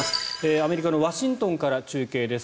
アメリカのワシントンから中継です。